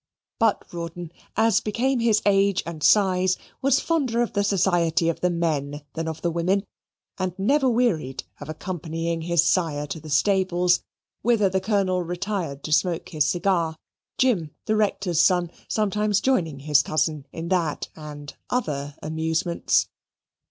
But Rawdon, as became his age and size, was fonder of the society of the men than of the women, and never wearied of accompanying his sire to the stables, whither the Colonel retired to smoke his cigar Jim, the Rector's son, sometimes joining his cousin in that and other amusements.